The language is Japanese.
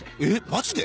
マジで？